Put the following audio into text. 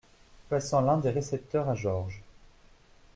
Passant l’un des récepteurs à Georges.